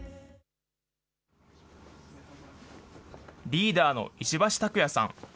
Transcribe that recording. リーダーの石橋拓也さん。